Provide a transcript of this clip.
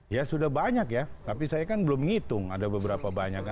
ya sudah banyak ya tapi saya kan belum ngitung ada beberapa banyak